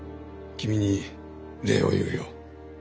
君に礼を言うよ。